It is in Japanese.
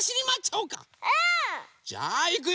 うん！じゃあいくよ！